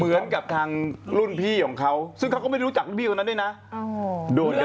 เหมือนกับทางรุ่นพี่ของเขาซึ่งเขาก็ไม่รู้จักรุ่นพี่คนนั้นด้วยนะ